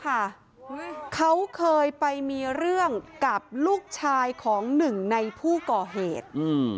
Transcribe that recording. เขาเคยไปมีเรื่องกับลูกชายของหนึ่งในผู้ก่อเหตุอืม